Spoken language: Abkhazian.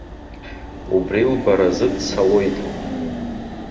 Убри лбаразы дцалоит.